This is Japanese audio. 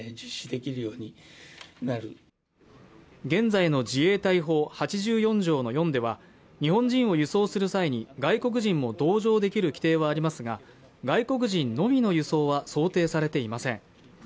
現在の自衛隊法８４条の４では日本人を輸送する際に外国人も同乗できる規定はありますが外国人のみの輸送は想定されていません